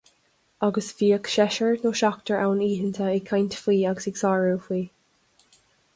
Agus bhíodh seisear nó seachtar ann oícheanta ag caint faoi agus ag sárú faoi.